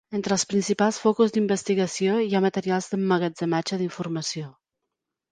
Entre els principals focus d'investigació hi ha materials d'emmagatzematge d'informació.